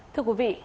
thưa quý vị